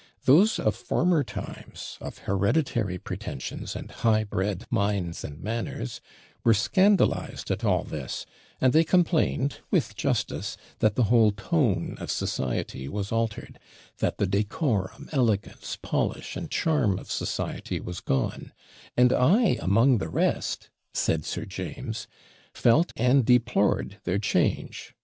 Those of former times, of hereditary pretensions and high bred minds and manners, were scandalised at all this; and they complained, with justice, that the whole TONE of society was altered; that the decorum, elegance, polish, and charm of society was gone; and I among the rest (said Sir James) felt and deplored their change.